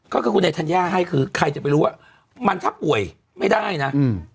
ก็คือคุณไอธัญญาให้คือใครจะไปรู้ว่ามันถ้าป่วยไม่ได้นะอืม